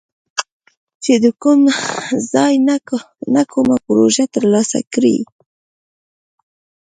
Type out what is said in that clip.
چې د کوم ځای نه کومه پروژه تر لاسه کړي